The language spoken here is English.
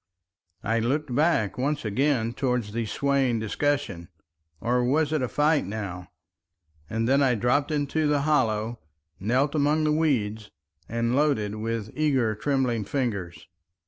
I looked back once again towards the swaying discussion—or was it a fight now? and then I dropped into the hollow, knelt among the weeds, and loaded with eager trembling fingers.